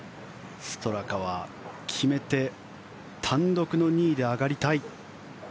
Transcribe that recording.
ストラカは決めて単独の２位で上がりたい。